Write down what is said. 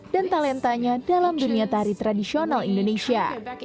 talentanya dalam dunia tari tradisional indonesia